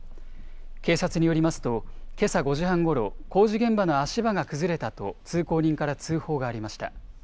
警察によりますと、けさ５時半ごろ、工事現場の足場が崩れたと通行人から通報がありました。